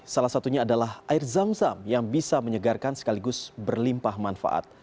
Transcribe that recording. salah satunya adalah air zam zam yang bisa menyegarkan sekaligus berlimpah manfaat